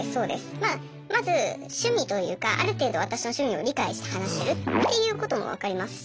まあまず趣味というかある程度私の趣味を理解して話してるっていうこともわかりますし。